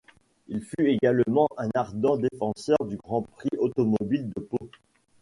Il fut également un ardent défenseur du Grand Prix automobile de Pau.